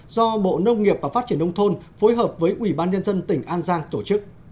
do bộ nông nghiệp và phát triển nông thôn phối hợp với ủy ban nhân dân tỉnh an giang tổ chức